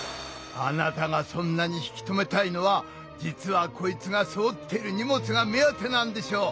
あなたがそんなに引き止めたいのはじつはこいつがせおっている荷物が目当てなんでしょう。